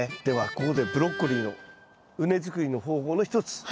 ではここでブロッコリーの畝作りの方法の一つ。